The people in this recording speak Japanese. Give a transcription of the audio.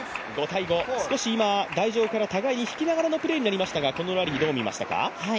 少し台上から互いに引きながらのプレーとなりましたがこのラリーどう見ましたか？